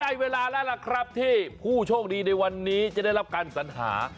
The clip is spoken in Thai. ได้เวลาแล้วล่ะครับที่ผู้โชคดีในวันนี้จะได้รับการสัญหา